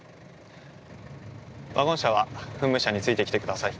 ワゴン車は噴霧車について来てください。